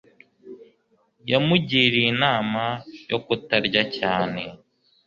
Yamugiriye inama yo kutarya cyane